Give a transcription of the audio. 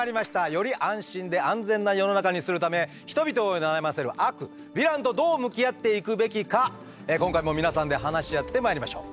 より安心で安全な世の中にするため人々を悩ませる悪ヴィランとどう向き合っていくべきか今回も皆さんで話し合ってまいりましょう。